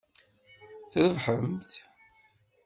Trebḥemt.